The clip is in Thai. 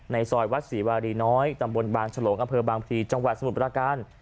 ซอยวัดศรีวารีน้อยตำบลบางฉลงอำเภอบางพลีจังหวัดสมุทรประการ